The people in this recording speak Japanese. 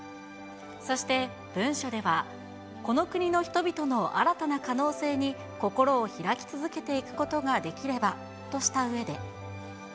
そして文書では、この国の人々の新たな可能性に心を開き続けていくことができればとしたうえで。